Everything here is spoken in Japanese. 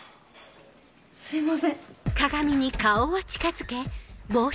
すいません。